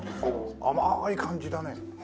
甘い感じだね。